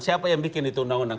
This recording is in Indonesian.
siapa yang bikin itu undang undang